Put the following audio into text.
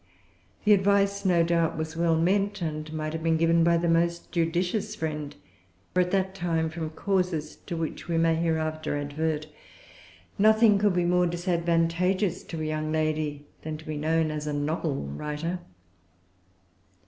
The advice no doubt was well meant, and might have been given by the most judicious friend; for at that time, from causes to which we may hereafter advert, nothing could be more disadvantageous to a young lady than to be known as a novel writer.